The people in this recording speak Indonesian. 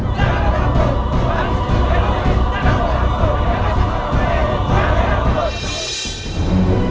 habis itu jangan berdampur